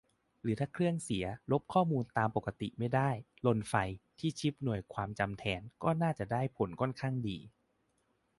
หรือถ้าเครื่องเสีย ลบข้อมูลตามปกติไม่ได้อาจ "ลนไฟ" ที่ชิปหน่วยความจำแทน ก็น่าจะได้ผลค่อนข้างดี